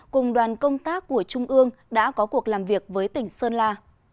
cùng đoàn công tác của trung ương đã có cuộc làm việc với tỉnh sơn la